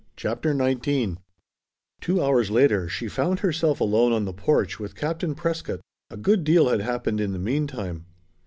CHAPTER XIX Two hours later she found herself alone on the porch with Captain Prescott. A good deal had happened in the meantime.